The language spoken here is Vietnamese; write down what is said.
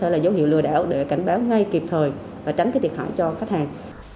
người đảo để cảnh báo ngay kịp thời và tránh cái thiệt hại cho khách hàng